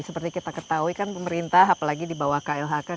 seperti kita ketahui kan pemerintah apalagi di bukit pramun ini